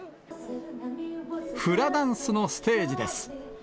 フラダンスのステージです。